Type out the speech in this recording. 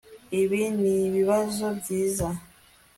Ibi nibibazo byiza